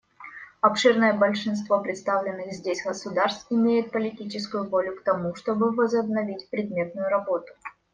Обширное большинство представленных здесь государств имеют политическую волю к тому, чтобы возобновить предметную работу.